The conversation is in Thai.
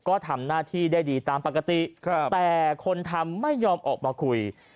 ก็ทำหน้าที่ได้ดีตามปกติแต่คนทำไม่ยอมออกมาคุย